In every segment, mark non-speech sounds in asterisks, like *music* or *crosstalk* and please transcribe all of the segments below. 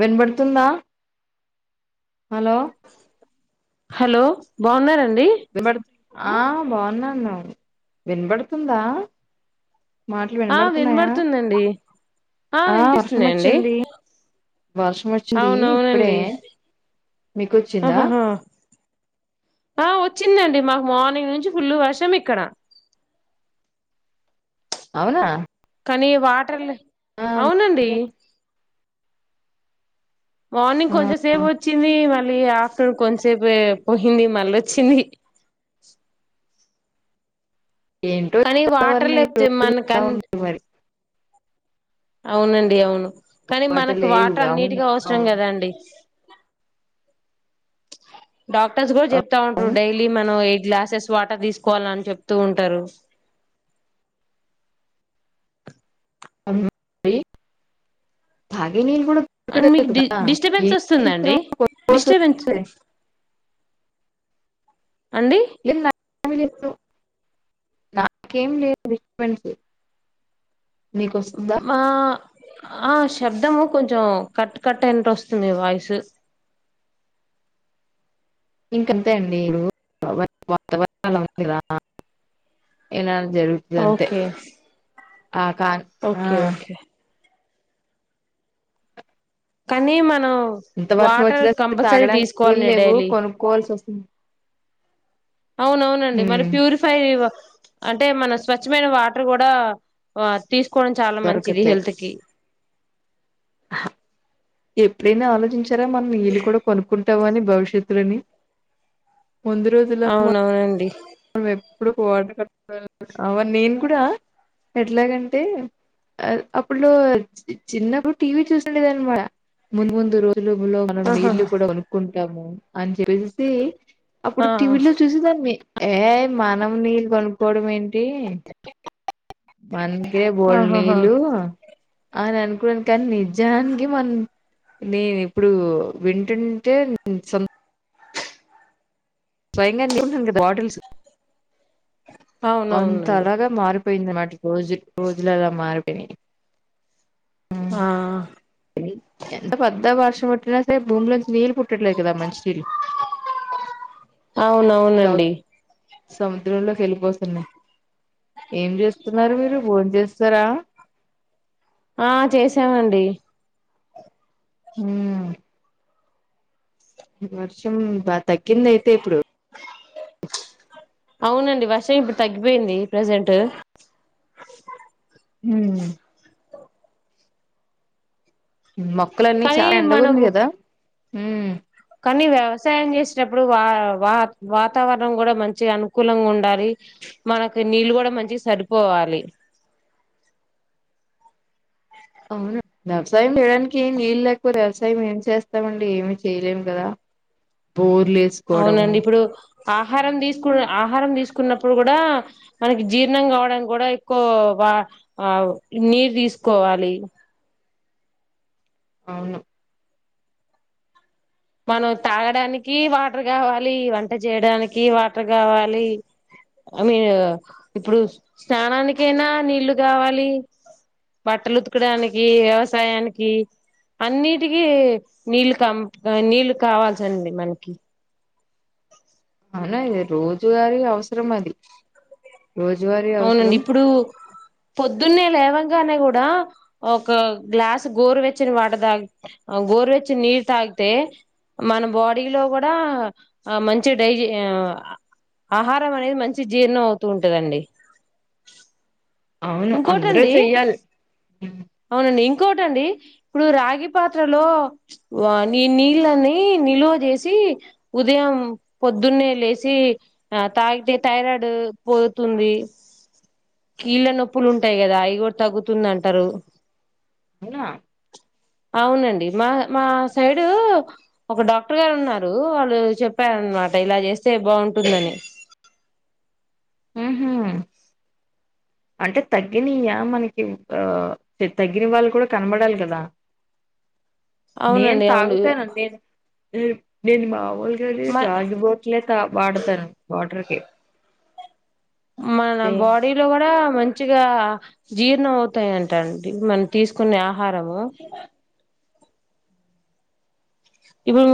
విన్బడుతుందా hello hello బాగున్నార అ బావున్నాను వినపడుతుందా మాట్లు ఆ వినబడుతున్నాయా వినబడుతుందండి ఆ వినిపిస్తున్నాయండి వర్షం వచ్చింది ఇప్పుడే అవునవునండి మీకోచ్చిందా ఆహాహా ఆ వచ్చింది అండీ మాకు మార్నింగ్ నుంచీ ఫుల్ వర్షం ఇక్కడ అవునా కనీ వాటర్ లే ఆ అవునండి మార్నింగ్ ఆ కొంచెం సేపు వచ్చింది మల్ ళ్ళి ఆఫ్టర్నూన్ కొంసేపే పోయింది మల్లొచ్చింది ఏంటో ఈ కానీ వాటర్ వాతావరణం లేప్తే ఇలా మన్కన్ ఉంది మరి అవునండి అవును కని మాట మనకు లేవు వాటర్ అవును అన్నిటికి అవసరం అవును కదండీ డాక్టర్స్ కూడ్ జెప్తా ఉంట్రు అవును డైలీ మనవ్ ఎయ్ గ్లాసెస్ వాటర్ తీసుకోవాల్ అని చెప్తూ ఉంటారు *unintelligible* తాగా ఈ నీల్ గూడా అండ్ మీకు డి *inaudible* డిస్టర్బెన్స్ ఏమ్ వస్తుందండి విచిత్రమొ డిస్టర్బెన్స్ *inaudible* అండి *inaudible* నాకేం లేద్ డిస్టర్బెన్సు నీకోస్తుందా మా ఆ శబ్దము కొంచెం కట్టు కట్ట ఏంట్ ఓస్తుంది వాయిసు ఇంకంతే అండి *inaudible* ఉంది *inaudible* జరగుతద్ అంతే ఓకే ఆ కాన్ ఆ ఓకే ఓకే కనీ మన్ ఇంత వర్షం వొచ్చినా తాగడానికి నీల్ తీసుకోవాలండి లేవు డైలీ కొనుక్కోవాల్సి వొస్ అవునవునండి మరి ప్యూరిఫైర్ అంటే మన స్వచ్ఛమైన వాటర్ గూడా తీసకోవడం చాల మంచిది దొరకట్లేదు హెల్త్కి ఎప్పుడైనా ఆలోచించారా మన్ నీళ్ళు కుడా కొనుక్కుంటావని భవిష్యత్తులోని అవునవునండి అవన్ నేను కూడా ఎట్లాగంటే అప్పుట్లో చిన్నప్పుడు టీవీ చూసుండేదనమాట ముందు ముందు రో సులుములో మనం ఆహా నీళ్లు కూడా గొనుక్కుంటాము. అన్ చెప్పేసేసి అప్పుడు ఆహా టీవీలో చూసేదాన్ని. ఏ మనం నీళ్ళు గొనుక్కోడం ఏంటి మనకే బోల్ ఆహాహా నీళ్ళు అని అనుకున్న్ కానీ నిజానికి మన్ నేన్ ఇప్పుడు వింటుంటే సొన్ స్వయంగా *inaudible* గదా వాటిల్స్ అవునవునండి అంతలాగా మారిపోయింది అమాట రోజ్ రోజుల అలా మారిపోయినాయ్ ఆ ఎంతపెద్ద వర్షం వొచ్చినా సరే భూమిలోంచి నీళ్ళు పు ట్లేదు కదా మంచి అవునవునండి *unintelligible* సముద్రంలోకి ఏళ్ళిపోతున్నాయ్ ఏం జేస్తున్నారు మీరు భోన్ చేస్ సరా ఆ చేసావండి హ్మ్ వర్షం బాగ్ తగ్గిందైయితే ఇప్పుడు అవునండి వషేం ఇప్పుడు తగ్గిపోయింది ప్రజెంటు హ్మ్ మొక్కలన్నీ కానీ చాలా ఎండగుంది మనము గదా కానీ వ్యవసాయం జేసేటప్పుడు వా వా వాతావరణం గూడా మంచి అనుకూలంగా ఉండాలి. మనకీ నీళ్ళు గూడా మంచిగ సరిపోవాలి అవును వ్యవసాయం చేయడానికి ఏం నీళ్ళు లేకపోతే వ్యవసాయం ఏం చేస్తామండి ఏమి చేయలేం కదా ఫోన్ అవునండి ఇప్పుడు ఆహారం దీస్కు ఆ ఆహారం దీసుకున్నప్పుడు గుడా మనకి జీర్ణం గావడానికి గూడా ఎక్కువ వా అవ్ నీర్ దిస్కోవాలి అవును మనం తాగడానికి వాటర్ గావాలి వంట జేయడానికి వాటర్ గావాలి అమీను ఇప్పుడు స్నానానికైనా నీళ్లు గావాలి బట్టలు ఉతకడానికి వ్యవసాయానికి అన్నిటికీ నీళ్ళు కం నీళ్ళు కావాల్సండి మనకి అనే రోజూవారి అవసరం అది రోజువారీ అవునండి అవసరం ఇప్పుడు పొద్దున్నే లేవన్ గానే గూడా ఒక గ్లాసూ గోరువెచ్చిన వాటర్ తాగి అగోరువేచ్చిన నీరు తాగి అతే మనం బాడీలో గోడా మంచి డైజే ఆ ఆహారం అనేది మంచి జీర్ణం అవుతూ ఉంటదండి అవును అందరూ ఇంకోటండి చెయ్యాలి అవునండి కోటండి ఇప్పుడు రాగి పాత్రలో నీ నీళ్ళన్నీ నిలువజేసి ఉదయం పొద్దున్నే లేసి ఆ తాగితే థైరాయిడ్ పోతుం ది కీళ్ళ నొప్పులు ఉంటాయి గదా అయి గూడా తగ్గుతుందంటారు. అవున అవునండి మా మా సైడు ఒక డాక్టర్ గారు ఉన్నారు వాళ్ళు చెప్పారు అ ఇలా చేస్తే బాగుంటుందని ఉహ్ అంటే తగ్గినియా మనకి ఆ తగ్గిన వాళ్ళు కూడా కనబడాలి కదా నేన్ అవునండి అవును తాగుతాను నేన్ నేను మాములుగానే మ రాగి బాటిల్ లే వాడతాను వాటర్కి మన బాడీ లో కూడా మంచిగా జీర్ణం అవుతాయంట అండి మనం తీసుకునే ఆహారము ఇప్పుడు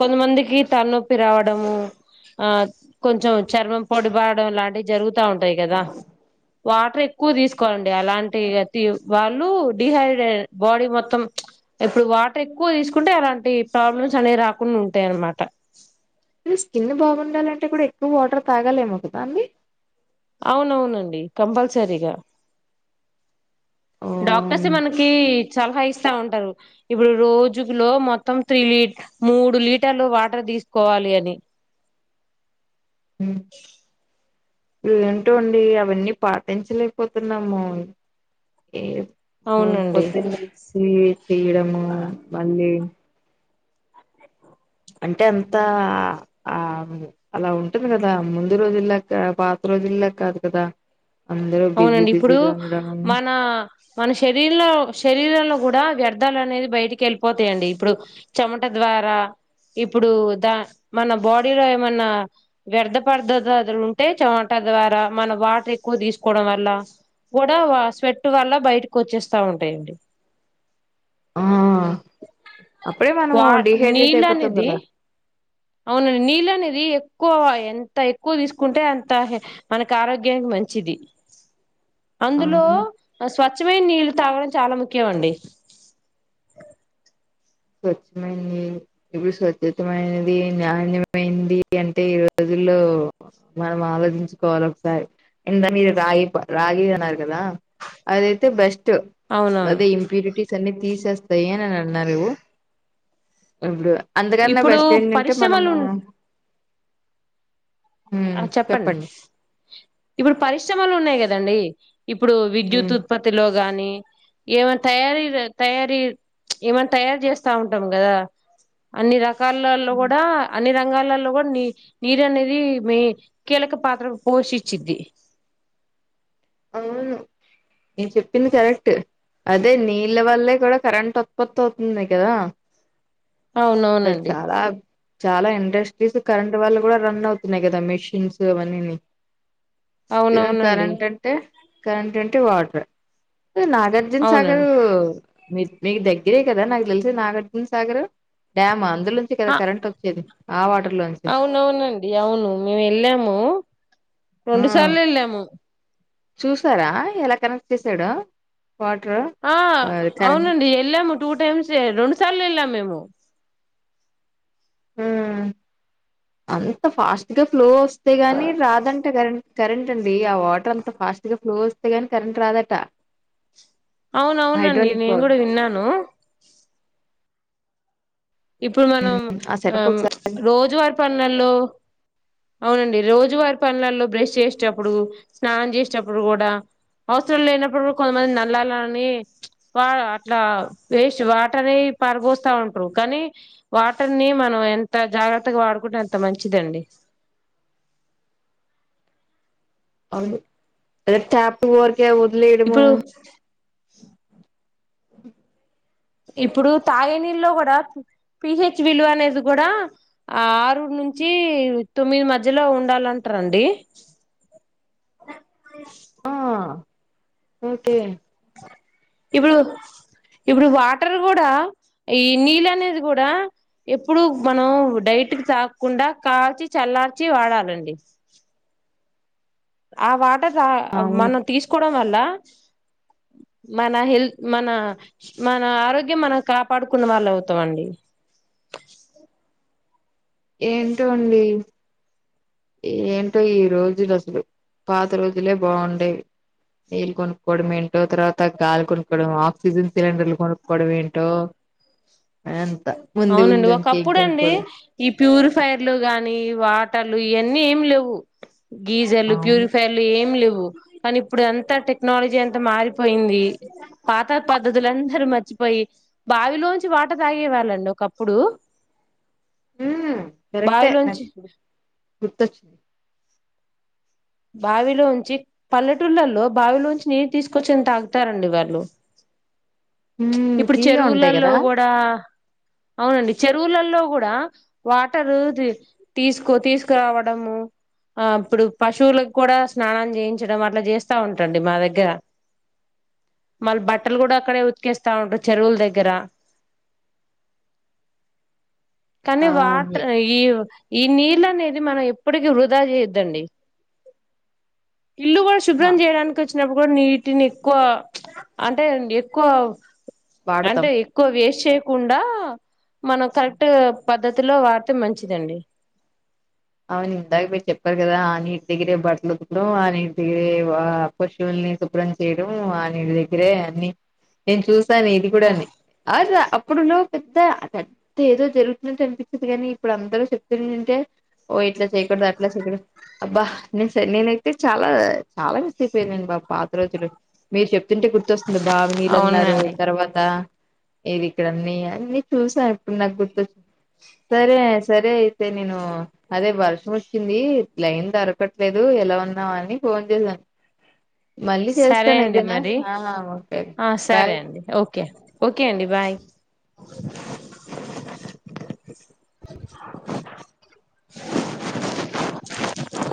కొంతమందికి తలనొప్పి రావడము ఆ కొంచెం చర్మం పొడి బరాడం లాంటివి జరుగుతా ఉంటాయి కదా వాటర్ ఎక్కువ తీసుకోవాలండి అలాంటి ఆథీ వాళ్ళు డిహైడ్రే బాడీ మొత్తం ఇప్పుడు వాటర్ ఎక్కువ తీసుకుంటే అలాంటి ప్రాబ్లమ్స్ అనేవి రాకుండా ఉంటాయ అన్నమాట స్కిన్ బాగుండాలంటే కూడా ఎక్కువ వాటర్ తాగాలిమో కదా అండి అవునవునండి కంపల్సరీగా ఓ డాక్టర్స్ మనకి చాలహా స్తా ఉంటారు ఇప్పుడు రోజు లో మొత్తం త్రీ లీ మూడు లీటర్లు వాటర్ తీసుకోవాలి డే అని ఉ ఏంటో అండి అవన్నీ పాటించలేకపోతున్నాము హ్మ్ అవునండి పొద్దున్లేసి చేయడము మళ్ళీ అంటే అంతా ఆ అలా ఉంటుంది కదా ముందు రోజులా పాత పాత రోజుల్లో కాదు కదా అందరూ బిజీ అవునండి ఇప్పుడు బిజీగా ఉండడం మన మన శరీరీలో శరీరంలో కూడా వ్యర్థాలు అనేది బయటికి వెళ్ళిపోతాయండి ఇప్పుడు చెమట ద్వారా ఇప్పుడు దా మన బాడీలో ఏమన్నా వ్యర్థ పర్దో అలు ఉంటే చమట ద్వారా మనం వాటర్ ఎక్కువ తీసు కోడం వల్ల కూడా స్వెట్ వల్ల బయటకు వచ్చేస్తా ఉంటాయండి ఆ అప్పుడే మనము వా డిహైడ్రేట్ నీళ్ళు అయిపోతాం అనేది కదా అవునండి నీళ్ళు అనేది ఎక్కువ ఎంత ఎక్కువ తీసుకుంటే అంత మనకి ఆరోగ్యానికి మంచి చ్చిది ఆ అందులో వస్ స్వచ్ఛమైన నీళ్లు తాగడం చాలా ముఖ్యం అండి స్వచ్ఛమైన నీళ్లు ఇవి స్వచ్ఛతమైనది నాణ్యమైంది అంటే ఈరోజు లో మనం ఆలోచించుకోవాలి ఒకసారి ఇంద మీరు రాగి రాగి అన్నారు కదా అదైతే బెస్ట్ అవునవును అదే ఇంప్యూరిటీస్ అన్ని తీసేస్తాయిని అని అన్నారు ఇప్పుడు అందుకన్నా ఇప్పుడు బెస్ట్ ఏంటంటే పరిశ్రమలు మనము హ్మ్ చెప్పండి ఇప్పుడు పరిశ్రమలు ఉన్నాయి కదండి ఇప్పుడు హ్మ్ విద్యుత్ ఉత్పత్తిలో గాని ఏమైన్నా తయారీ తయారీ ఏమైనా తయారు చేస్తా ఉంటాం కదా అన్ని రకాలలో హ్మ్ కూడా అన్ని రక లలో కూడా నీ నీరు అనేది మి కీలక పాత్ర పోషి చిది అవును మీరు చెప్పింది కరెక్ట్ అదే నీళ్ళ వల్లే కూడా కరెంట్ ఉత్పత్ అవుతునై గదా అవునవునండి చాలా ఇండస్ట్రీస్ కరెంట్ వాళ్ళ గూడా రన్ అవుతున్నాయి గాదా మీషిన్స్ అవన్నీ అవునవునండి కరెంట్ అంటే వాటర్ ఆ నాగార్జున సాగరు అవునండి మీర్ మీకు దగ్గరే కదా నాకు దెలిసి నాగార్జున్ సాగరు డ్యామ్ అందులోంచే కదా ఆ కరెంట్ ఓచ్చేది అవునవునండి అవును మేమ ఏళ్ళాము ఆ రెండు సార్లు ఏళ్ళాము చూసారా ఎలా కనెక్ట్ చేసాడొ ఆ అవునండి ఏళ్ళాము టూ టైమ్స్ ఎ రొండు సార్లు ఏళ్ళాము మేము ఉమ్మ్ అంత ఫాస్ట్ గా ఫ్లోఓస్తే గాని రాదంట కద్ కరెంటండి ఆ వాటర్ అంత ఫస్ ఫాస్టుగా ఫ్లోఓస్తై గాని కరెంట్ రాదట అవునవునండి హైడ్రాలిక్ నేను పవర్ గూడా విన్నాను ఇప్పుడు మనం ఆ సెటప్ ఒకసారి రోజువార పన్నల్లో అవునండి రోజువార్ పనలల్లో బ్రేష్ జేష్టప్పుడు స్నానం జేష్టప్పుడు గూడా ఆస్టాల్ లేనప్పుడు గూంతమంది నళ్లాలని వా అట్లా వేస్ట్ వాటరే పరోవ్స్థా ఉంటారు కానీ వాటర్ని మనం ఎంత జాగ్రత్తగా వాడుకుంటే అంత మంచిదండి అవు ఏద్ ట్యాపు వోరకే ఓదిలేయడము ఇప్పుడు ఇప్పుడు తాగేనీళ్లో గూడా పిహెచ్విలు అనేది గూడా ఆరుర్ నుం నుంచి తొమ్మిది మధ్యలో ఉండాలంటారండి తత్ పుర్ష్ ఆ ఓకే ఇపుడు ఇప్పుడు వాటర్ గూడా ఈ నీళ్ళ అనేది గూడా ఎప్పుడు మనం డైరెక్ట్ గా తాగకుండా కాచి చల్లాల్చి వాడాలండి ఆ వాటరా అవును మనం తీసకోవడం వల్ల మన హెల్త్ మన మన ఆరోగ్యం మనం కాపాడుకున్న వాళ్ళం అవుతామండి ఏంటోండి ఏంటో ఈ రోజులు అసలు పాత రోజులే బావుండేవి నీళ్లు కొనుక్కోవడం ఏంటో తర్వాత గాలి కొనుక్కోవడం ఆక్సిజన్ సిలిండర్లు కొనుక్కోవడం ఏంటో అంత ముందు అవునండి ముందు ఇంకేం ఓకప్పుడండి కొనుక్కోలు ఈ ప్యూరిఫైర్లు గానీ వాటర్లు ఇయేన్నీ ఏం లేవు గీజర్లు అవును ప్యూరిఫైర్లు ఎమ్ లేవ్ వు కానీ ఇప్పుడు ఏంత టెక్నాలజీ ఏంత మారిపోయింది పాత పద్ద్తులుందరు మర్చి పోయి బావిలోంచి వాటర్ తాగేవాళ్ళండి ఒకప్పుడు ఉమ్మ్ గరెక్టే నా బావిలోంచి గ్ గుర్తొచింది బావిలోంచి పల్లెటూళ్లల్లో బావిలోంచి నీలు తీసుకొచ్చి తాగుతారండి వాళ్ళు హ్మ్ ఇప్పుడు తీయగా ఉంటాయి చెరువులల్లో కదా గూడా అవునండి చెరువులలో గూడా వాటరు తీసుకో తీస్కరావడము అప్పుడు పశువులకు కోడా స్నానం జేయించడం అట్లా జేస్తా ఉంటండి మా దగ్గర మాల్ బట్టల్ గూడా అక్కడే ఉత్కేస్తా ఉంటరు చెరువుల్ దగ్గర కానీ ఆ వాటర్ ఇవ్ ఈ నీళ్ళ అనేది మనం ఎప్పటికి వృధా చేయద్దండి ఇల్లు గుడా అ శుభ్రం చేయడానికి వచ్చినప్పుడు గుడా నీటిని ఎక్కువ అంటే అండి ఎక్కువ వాడతాం అంటే ఎక్కువ వేస్ చేయకుండా మనం కరెక్ట్ పద్ధతిలో వాడ్తే మంచిదండి. అవును ఇందాక్ మీర్ చెప్పారు కదా ఆ నీట్ దగ్గరే బట్టల్ ఉతకడం ఆ నీటి దగ్గరే వా *inaudible* శుభ్రం చేయడం ఆ నీల్ దగ్గరే అని నేన్ చూస్ సా నీటి గుడా నీ అప్పుడులో పెద్ద అద్ అం ఏదో జరుగుతున్నట్ అనిపిస్తది కానీ ఇప్పుడు అందరూ చెప్తుంటంటే ఓ ఇట్లా చేయకూడదు అట్లా చేయకూడదు అబ్బా నేన్ నేనైతే చాలా చాలా మిస్ అయిపోయిదాన్ని బ పాత రోజులు మీర్ చెప్తుంటే గుర్తొస్తుంది బావి నీళ్ళన్నారు అవునండి తర్వాత ఏది ఇక్కడన్నీ అన్నీ చూసా ఇప్పుడ్ నాక్ గుర్తొ సరే సరే అయితే నేను అదే వర్షం వచ్చింది ప్లేన్ దొరకట్లేదు ఎలా ఉన్నావా అని ఫోన్ చేసా. మళ్ళీ సరే చేస్తాన్ అండి అయితేనా మరి ఆ ఓకే ఆ సరే బాయ్ అండి ఓకే ఓకే అండి బాయ్